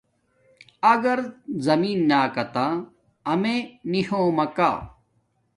اگر زمین نا کاتہ امیے بوٹے نی ہوم ما کا